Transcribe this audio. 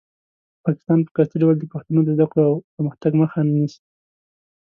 پاکستان په قصدي ډول د پښتنو د زده کړو او پرمختګ مخه نیسي.